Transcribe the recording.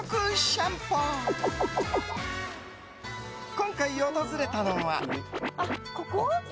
今回、訪れたのは。